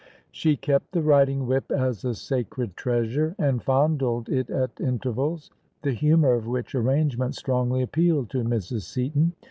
She kept the riding whip as a sacred treasure, and fondled it at intervals: the humour of which arrangement strongly appealed to Mrs. Seaton.